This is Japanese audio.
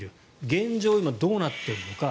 現状、今どうなっているのか。